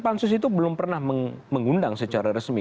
pansus itu belum pernah mengundang secara resmi